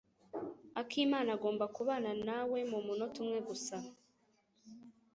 Akimana agomba kubana nawe mumunota umwe gusa.